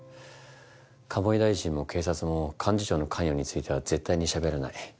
鴨井大臣も警察も幹事長の関与については絶対にしゃべらない。